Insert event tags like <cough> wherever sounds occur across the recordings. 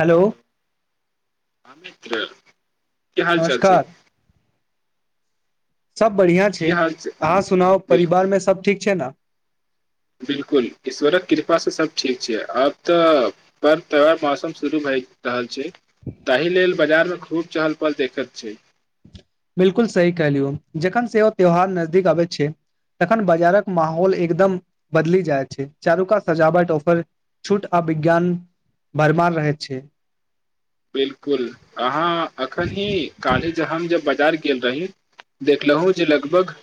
hello <unintelligible> की हाल चाल छै नमस्कार सब बढ़िआँ छै की हाल अहाँ सुनाउ परिवार बिलकुल मे सब ठीक छै ने बिलकुल ईश्वरक कृपा से सब ठीक छै आब तऽ पर्व त्यौहार मौसम शुरू भए रहल छै तहि लेल बाजार मे खूब चहल पहल देखैत छै बिल्कुल सही कह लियौ जखन से ओ त्यौहार नजदीक अबै छै तखन बाजारक माहौल एकदम बदली जाइ छै चारू कात सजावट ऑफर छूट अ विज्ञान भरमार रह‌ए छै बिलकुल अहाँ अखन ई काली जे हम जे बाजार गेल रही देखलहुं जे लगभग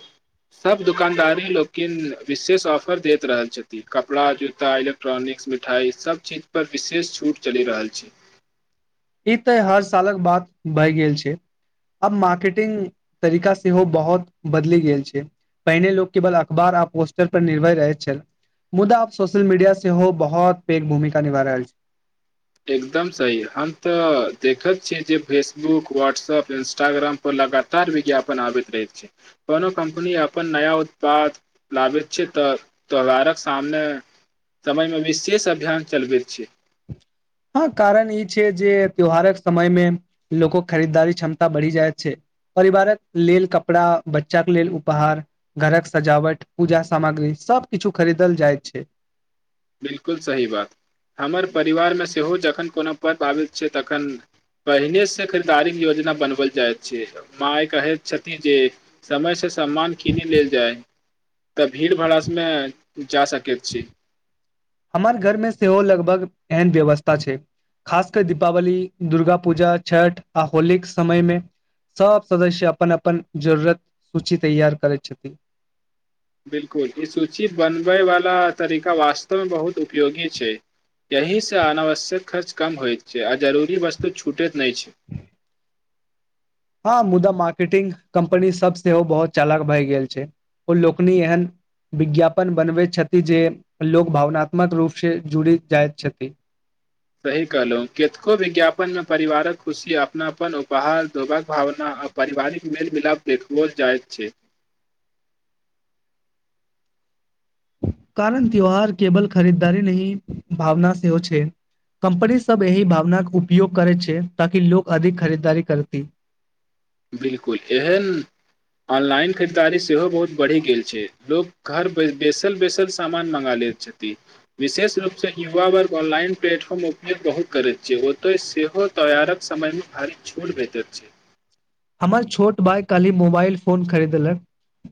सब दुकानदारी लोकिन विशेष ऑफर देत रहल छथि कपड़ा जूता एलोक प्ट्रॉनिक्स मिठाई सब चीज पर विशेष छूट चलि रहल छै ई ते हर सालक बात बहि गेल छै अब मार्केटिंग तरीका सेहो बहुत बदैल गेल छै पहिने लोक केवल अखबार आ पोस्टर पर निर्भर रहै छल मुदा आब सोशल मीडिया सेहो बहुत पैघ भूमिका निभा रहल छै एकदम सही हम तऽ देखैत छियै जे फेसबुक व्हाट्सअप इंस्टाग्राम ओ लगातार विज्ञापन आबैत रहैत छै कोनो कम्पनी अपन नया उत्पाद लाभेच्छित त्योहारक सामने समय में विशेष अभियान चलबे छीय हँ कारण ई छै जे त्यौहारक समयमे लोकोक खरीदारी क्षमता बढ़ी जाएत छै परिवारक लेल कपड़ा बच्चा के लेल उपहार घरक सजावट पूजा सामग्री सब किछु खरीदल जाइत छै बिलकुल सही बात हमर परिवारमे सेहो जखन कोनो पर्व आबैत छै तखन पहिने से खरीदारीक योजना बनवल जाइत छै माय कहैत छथिन जे समय से सामान कीनी लेल जाय त भीड़ भड़ासमे जा सकैत छी हमर घर मे सेहो लगभग एहन व्यवस्था छै खास कर दीपावली दुर्गा पूजा छठ आ होलीक समय मे सब सदस्य अपन अपन जरूरत सूची तैयार करे छथिन बिल्कुल ई सूची बनबय वाला तरीका वास्तवमे बहुत उपयोगी छै एहिसँ अनावश्यक खर्च कम होइत छै आ जरूरी वस्तु छूटैत नहि छै हँ मुदा मार्केटिंग कम्पनी सब सेहो बहोत चालाक भए गेल छै ओ लोकनि एहन विज्ञापन बनबैत छथि जे लोग भावनात्मक रूप से जुड़ी जाइत छथि सही कहलहुँ केतको विज्ञापनमे परिवारक खुशी अपनाप उपहार देबाक भावना पारिवारिक मेल मिलाप देखबोल जाइत छै कारण त्यौहार केबल खरीदारी नही भावना सेहो छै कम्पनी सब एहि भावनाक उपयोग करै छै ताकि लोग अधिक खरीदारी करती बिल्कुल एहन ऑनलाइन खरीदारी सेहो बहुत बढ़ी गेल छै लोग घर बैसल बैसल सामान मंगा लेत छति विशेष रूप से युवा वर्ग ऑनलाइन प्लेटफॉर्म उपयोग बहुत करैत छै ओतय सेहो तैयारक समहि मे भारी छोट भेटैत छै हमर छोट भाय काली मोबाइल फोन खरीदलक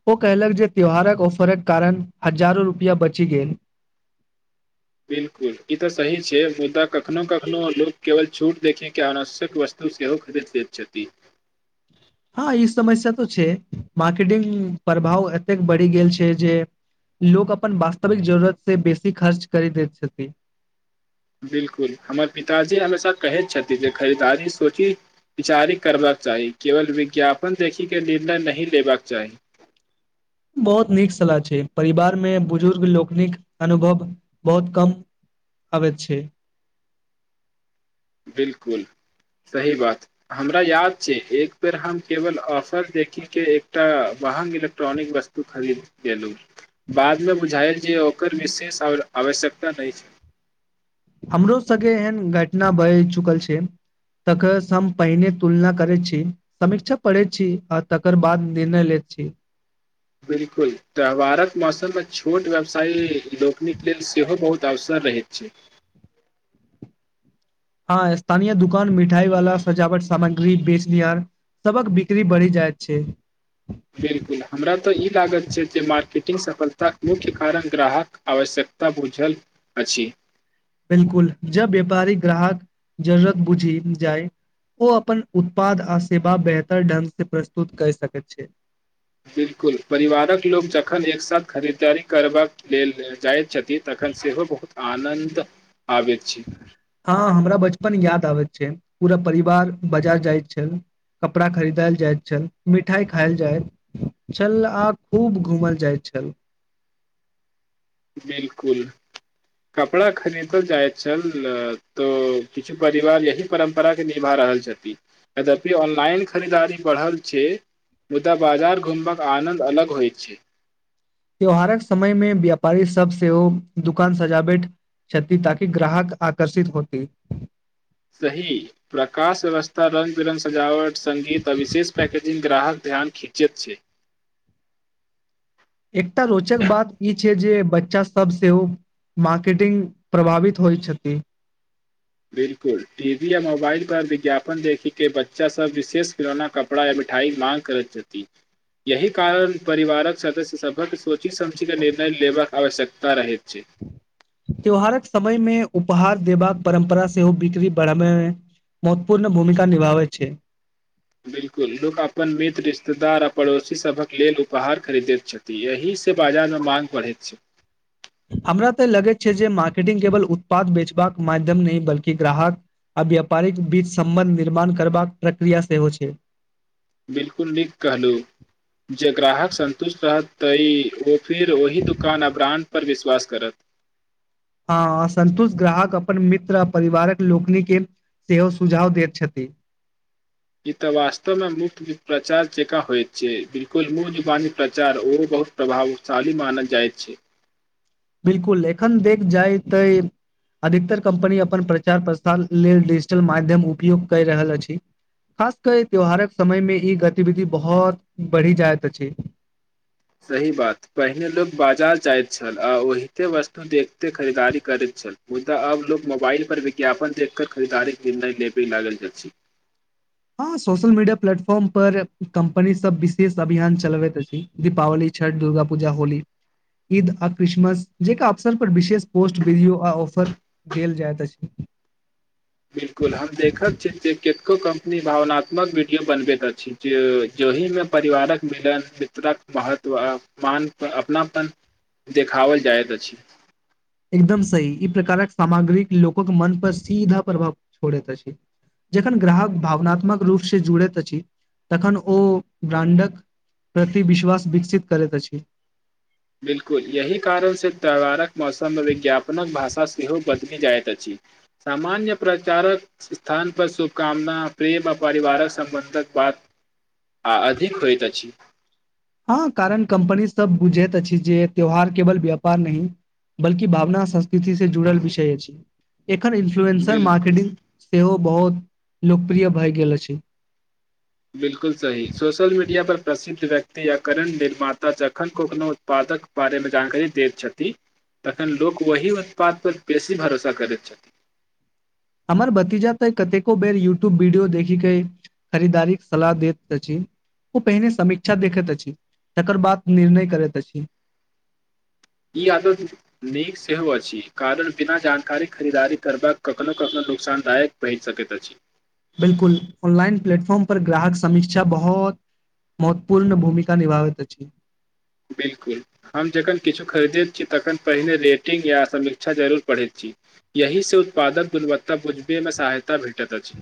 ओ कहलक जे त्यौहारक ऑफरक कारण हजारो रुपैया बची गेल बिल्कुल ई तऽ सही छै मुद्दा कखनो कखनो लोग केवल छूट देखे के आनावश्यक वस्तु तऽ सेहो खरीद दैत छथि हँ ई समस्या तो छै मार्केटिंग प्रभाव एतेक बढ़ी गेल छै जे लोक अपन वास्तविक जरूरत से बेसी खर्च करि दैत छथि बिल्कुल हमर पिताजी हमेशा कहैत छथि जे खरीदारी सोची विचारि करबाक चाही केवल विज्ञापन देखिक क निर्णय नहि लेबाक चाही बहुत नीक सलाह छै परिवार मे बुजुर्ग लोकनिक अनुभव बहुत कम आबैत छै बिल्कुल सही बात हमरा याद छै एक बेर हम केवल ऑफर देखिके एकटा वह इलेक्ट्रॉनिक वस्त तू खरीद लेलू बाद मे बुझायल जे ओकर निशेष आवश्यकता नहि छै हमरो सगे एहन घटना बहि चुकल छै तकर सँ हम पहिने तुलना करै छी समीक्षा पढ़ैत छी आ तकर बाद निर्णय लेत छी बिलकुल त्योवारक मौसम मे छोट व्यवसायी लोकनिक लेल सेहो बहुत अवसर रहैत छै हँ स्थानीय दुकान मिठाई वाला सजावट सामग्री बेचनिहार सबक बिक्री बरि जायत छै बिलकुल हमरा तऽ ई लागत छै जे मार्कटिंग सफलताक मुख्य कारण ग्राहक आवश्यकता बूझल अछि बिलकुल ज व्यापारी ग्राहक जरूरक बुझी जाय ओ अपन उत्पाद आ सेवा बेहतर ढंग से प्रस्तुत कर सकैत छै बिल्कुल परिवारक लोक जखन एक साथ खरीदारी करबाक लेल जाइत छथिन तखन सेहो बहुत आनन्द आबैत छै हँ हमरा बचपन याद आबैत छै पूरा परिवार बाजार जाइत छल कपड़ा खरीदायल जाइत छल मिठाई खायएल जाइत छल आ खूब घूमल जाइल छल बिलकुल कपड़ा खरीदल जाय छल त किछु परिवार यही परम्परा के निभा रहल छथि यद्यपि ऑनलाइन खरीदारी बढ़ल छै मुदा बाजार घुमबाक आनन्द अलग होइत छै त्यौहारक समय मे व्यापारी सब सेहो दुकान सजावैठ क्षति ताकि ग्राहक आकर्षित होति सही प्रकाश व्यवस्था रङ्ग बिरङ्ग सजावट सङ्गीत आ विशेष पैकेजिंग ग्राहक ध्यान खिञचैत छै एकटा रोचक बात ई छै जे बच्चा सब सेहो मार्केटिंग प्रभावित होइत छथी बिलकुल टी वी या मोबाइल पर विज्ञापन देखि क बच्चा सब विशेष खिलौना क कपड़ा या मिठाई माँग करत जेती <unintelligible> यही कारण परिवारक सदस्य सबक सोची समची क निर्णय लेबाक आवश्यकता रहैत छै त्यौहारक समय मे उपहार देबाक परम्परा सेहो बिक्री बढ़ब मे मत्वपूर्ण भूमिका निभावै छै बिल्कुल लोक अपन मित्र रिश्तेदार आ पड़ोसी सभक लेल उपहार खरीदैत छथि तऽ एहिसँ बाजारमे मांग पढ़ैत छै हमरा तऽ लगै छै जे मार्केटिंग केवल उत्पाद बेचबाक माध्यम नहि बल्कि ग्राहक आ व्यापारिक बीच सम्बन्ध निर्माण करबाक प्रक्रिया सेहो छै बिल्कुल नीक कहलहुँ जे ग्राहक संन्तुष्ट रहत तां फिर ओहि दुकान आ ब्रांड पर विश्वास कर हँ आ सन्तुष्ट ग्राहक अपन मित्र आ परिवारक लोकनि के सेहो सुझाव दैत छथ ई तऽ वास्तव में मुफ्त प्रचार जेका होयत छै बिलकुल मू जवानी प्रचार ओहो बहु प्रभावशाली मानल जाइत छ बिल्कुल एखन देख जाय त अधिकतर कम्पनी अपन प्रचार प्रसार लेल डिजिटल माध्यम उपयोग कर रहल अछ खास के त्यौहारक समय मे ई गतिविधि बहुत बढ़ि जाइत अछ सही बात पहिने लोक बाजार जाइत छल आ ओहिते वस देखते खरीदारी करैत छल मुदा अब लोकोग मोबाइल पर विज्ञापन देखक खरीदारी क त नहि नेपे लागल अछ हँ सोशल मीडिया प्लेटफॉर्म पर कम्पनी सब विशेष अभियान चलबैत अछ दीपावली छठ दुर्गा पूजा होल ईद आ क्रिसमस जेक अवसर पर विशेष पोस्ट बिडियो आ ऑफ देल जायत अछ बिल्कुल हम देखैत छी जे कतको कम्पनी भावनात्मक विडियो बनबैत अछ ज ज्योहि मे परिवारक मिलन मित्रक महत्व अपमान अपनाप देखावल जायत अछ एकदम सही ई प्रकारक सामग्री लोक के मन पर सीधा प्रभाव छोड़ैत अछ जखन ग्राहक भावनात्मक रूप से जुड़ैत अछि तखन ओ ब्रांड प्रति विश्वास विकसित करैत अछ बिल्कुल यही कारण से त्योहारक मौसम मे विज्ञापनक भाषा सेहो बदलि जाइत अछ सामान्य प्रचार स्थान पर शुभकामना प्रेम आ परिवारक सम्बन्धक बत आ अधिक होइत अछ हँ कारण कम्पनी सब बुझैत अछि जे त्यौहार केवल व्यापार नह बल्कि भावना संस्कृति से जुड़ल विषय अछि एखन इन्फ्लुएंसर बिल्कुल मार्केटिं सेहो बहुत लोकप्रिय भए गेल अछ बिल्कुल सही सोशल मीडिया पर प्रसिद्ध व्यक्ति या करण निर्माता जखन को कोनो उत्पाद बारे मे जानकारी दैत छथि तखन लोग ओही उत्पाद पर बेसी भरोसा करैत छथि हमर भतीजा तै कतेको बेर यूट्यूब वीडियो देखिके क खरीदारी सलाह दैत छ ओ पहिने समीक्षा देखैत अछि तकर बाद निर्णय करैत अछ ई अ नीक सेहो अछि कारण बिना जानकारी खरीदारी करबाक कखनो कखनो नुकसानदाय भहि सकैत अ बिल्कुल ऑनलाइन प्लेटफॉर्म पर ग्राहक समीक्षा बहो महत्वपूर्ण भूमिका निभाबैत अछ बिल्कु हम जखन किछु खरीदैत छी तखन पहिने रेटिंग या समीक्षा जरूर पढ़ैत छ यही से उत्पादक गुणवत्ता बुजबेमे सहायता भेटता अछ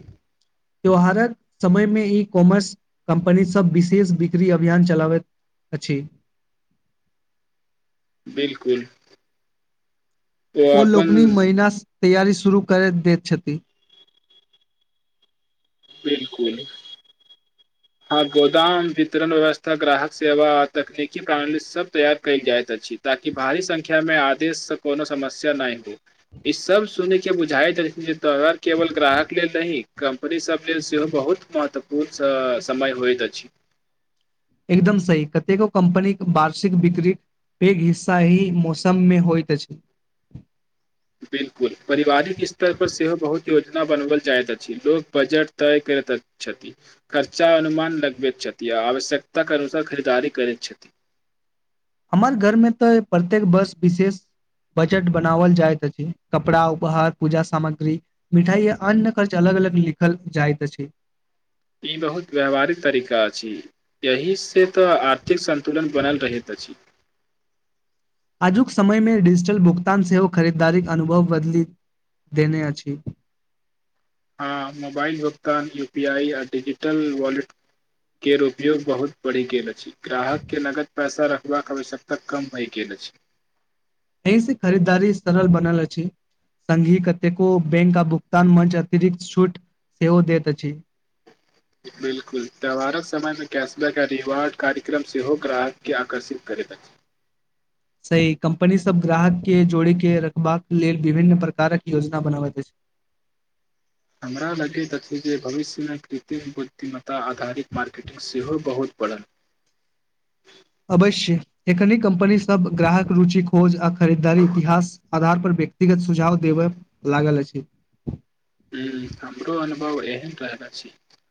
त्यौहारक समय मे ई कॉमर् कम्पनी सब विशेष बिक्री अभियान चलाबैत अछ बिल्कु ओ लोकनि महिना तैयारी शुरू करय दैत छथ बिल्कु हँ गोदाम वितरण व्यवस्था ग्राहक सेवा तकनीकी प्रणाली सब तैयार कयल जायइत अछ ताकि भारी संख्या में आदेश कोनो समस्या नहि ह इ सब सुने के बुझाय अगर केवल ग्राहक लेल नहि क पर ईसभ लेल सेहो बहुत महत्वपूर्ण समय होइत अछि एकदम सही कतेको कम्पनीके वार्षिक बिक्र पैघ हिस्सा ही मौसममे होइत अछ बिल्कुल पारिवारिक स्तर पर सेहो बहु योजना बनाओल जाइत अछि लोकोग बजट तय करैत छथ खर्चा अनुमान लगबे छथिआ आवश्यकताके अनुसार खरीदारी करैत छथि हमर घरमे तऽ प्रत्येक बस विशे बजट बनावल जाइत अछि कपड़ा उपहार पूज सामग्री मिठाई अन खर्च अलग अलग लिखल जाइत छ ई बहुत व्यावहारिक तरीका अछ एहिसे तऽ आर्थिक संन्तुलन बनल रहैत अछ आजुक समयमे डिजिटल भुगतान सेहो खरीदारीक अनुभव बदलि देने अछ हँ मोबाइल भुगतान यू पी आइ आ डिजिटल वॉले के उपयोग बहुत बढ़ि गेल अछ ग्राहकके नगद पैसा रखबाक आवश्यकता कम भए गेल अछ एहिस खरीदारी सरल बनल छ सङ्गी कतेको बैंक आ भुगतान मंच अतिरिक्त छूट सेहो दैत अछ बिल्कुल त्यहारक समय मे कैशबैक आ रिवार्ड कार्यक्रम सेहो ग्राहकके आकर्षित करैत अछ सही कम्पनी सब ग्राहक के जोड़े के रखबाक लेल विभिन्न प्रकारक योजना बनाबैत अछ हमरा लगैत अछि जे भविष्य क तिक बुद्धिमता आधारित मार्केटिंग सेहो बहुत बढ़ल अवश्य एखन कम्पनी सब ग्राहक रुचि खोज आ खरीदारी इतिहा आधार पर व्यक्तिगत सुझाव देबय लागल अछ ह्म हमरो अनुभव एहन त रहल अछ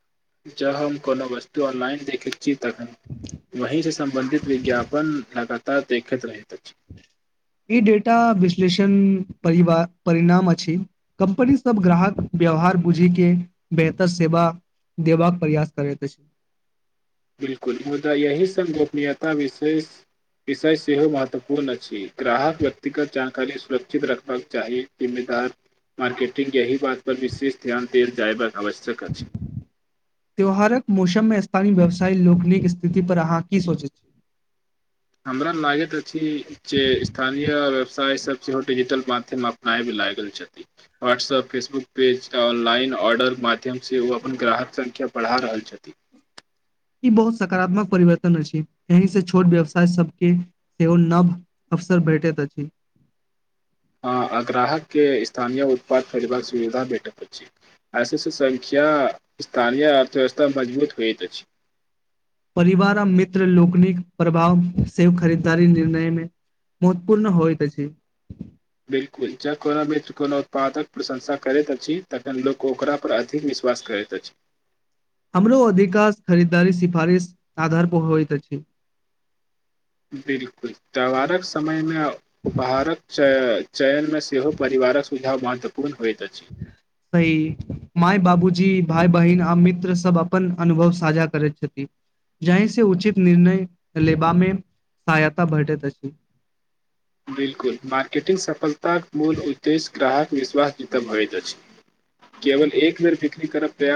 जँ हम कोनो वस्तु ऑनलाइन देखैत छी तख वही से सम्बंधित विज्ञापन लगातार देखैत र ई डेटा विश्लेषण परिवार परिणाम अछ कम्पनी सब ग्राहक व्यवहार बूझी के बेहतर सेव देबाक प्रयास करैत अछ बिल्कुल मुदा यही सङ्ग गोपनीयता विशेष विषय सेहो महत्वपूर्ण अछ ग्राहक व्यक्तिगत जानकारी सुरक्षित रखबाक चाही जिम्मेदा मार्केटिङंग य बात परर विशेष ध्यान देल जायबाक आवश्यक अछ त्यौहारक मौसममे स्थानीय व्यवसायी लोकनिक स्थिति पर अहाँ की सोचैत छ हमरा लागैत अछ जे स्थानीय व्यवसाय सब सेहो डिजिटल माध्यम अपनाय भी लाग गेल छथ व्हाट्सअप फेसबुक पेज ऑनलाइन ऑर्डरके माध्यमसँ ओ अपन ग्राहक संख्या बढ़ा रहल छथि ई बहुत सकारात्मक परिवर्तन अछि एहि से छोट व्यवसाय सबके सेहो न अवसर भेटैत अछ ग्राहक के स्थानीय उत्पाद खरीदबाक सुविधा भेटैत अछ ऐसे संख्या स्थानीय अर्थव्यवस्था मजबूत होइत अछ परिवार आ मित्र लोकनिक प्रभाव से खरीदारी निर्णय में महत्वपूर्ण होइत अछ बिल्कुल जख कोनो मित्र कोनो उत्पादक प्रशंसा करैत अछि तखन लोक ओकरा पर अधिक विश्वास करैत अछ हमरो अधिकाश खरीदारी सिफारिश आधार पर होइत अछ बिल्कुल त्यारक समयम उपहारक चयन मे सेहो परिवारक सुझाव महत्वपूर्ण होयइत अछ भइ माय बाबूजी भाय बहिन आ मित्र सब अपन अनुभव साझा करैत छथि जहि से उचित निर्णय लेबा मे सहायता भेटैत अछ बिल्कुल मार्केटिंग सफलताक मूल उद्देश्य ग्राहक विश्वास जीतब होइत अछ केवल एक बेर बिक्री करब तँ